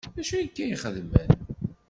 D acu akka ay xeddmen?